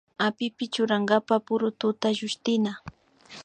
Apipi churankapa purututa llushtina